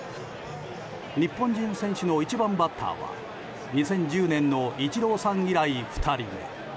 日本人選手の１番バッターは２０１０年のイチローさん以来２人目。